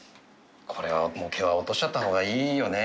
これはもう毛は落としちゃったほうがいいよね。